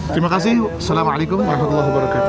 terima kasih assalamualaikum warahmatullah wabarakatuh